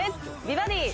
美バディ」